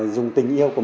để lan tỏa những kỹ thuật